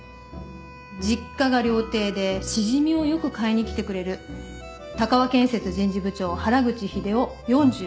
実家が料亭でシジミをよく買いに来てくれる鷹和建設人事部長原口秀夫４５歳。